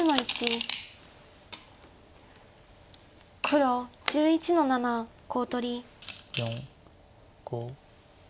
黒１１の七コウ取り。